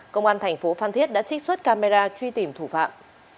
công an thành phố phan thiết đã trích xuất camera truy tìm thủ phạm